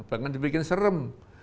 bahkan dibikin serem